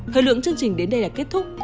thời lượng chương trình đến đây là kết thúc